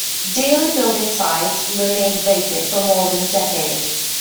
The Daly Building site remained vacant for more than a decade.